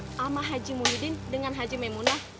sama haji muhyiddin dengan haji maimunah